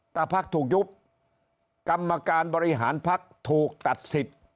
ถ้าพักถูกยุบกรรมการบริหารพักถูกตัดสิทธิ์